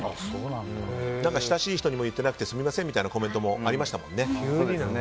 親しい人にも言っていなくてすみませんというコメントもありましたもんね。